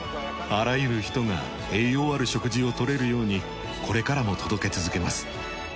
あらゆる人が栄養ある食事を取れるようにこれからも届け続けます。